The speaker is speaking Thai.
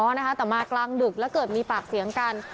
แต่มากลางดึกแล้วเกิดมีปากเสียงกัน